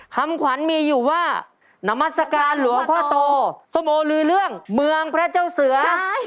คำขวัญมีอยู่ว่านามัศกาลหลวงพ่อโตสโมลือเรื่องเมืองพระเจ้าเสือ